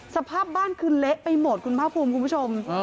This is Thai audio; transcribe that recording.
สภาพบ้านคือเละไปหมดคุณภาคภูมิคุณผู้ชม